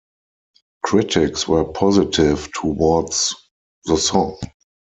Critics were positive towards the song.